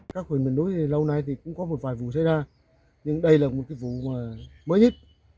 các huyện mình đối thì lâu nay thì cũng có một vài vụ xảy ra nhưng đây là một cái vụ mới nhất